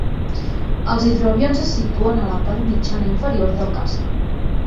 Els hidroavions es situen a la part mitjana inferior del casc.